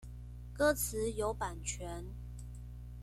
歌詞有版權